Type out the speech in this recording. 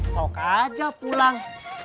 sok aja pulang